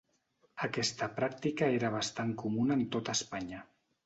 Aquesta pràctica era bastant comuna en tota Espanya.